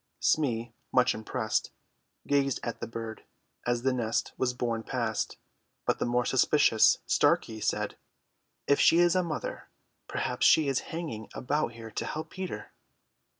Smee, much impressed, gazed at the bird as the nest was borne past, but the more suspicious Starkey said, "If she is a mother, perhaps she is hanging about here to help Peter."